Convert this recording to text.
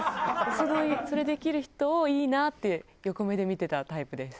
それできる人をいいなって横目で見てたタイプです。